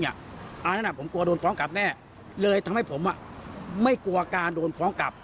อันนั้นผมกลัวโดนฟ้องกลับแน่เลยทำให้ผมไม่กลัวการโดนฟ้องกลับ